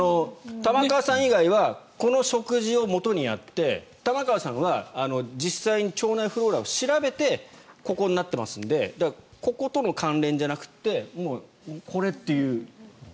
玉川さん以外はこの食事をもとにやって玉川さんは実際に腸内フローラを調べてここになってますのでこことの関連じゃなくてもう、これっていう。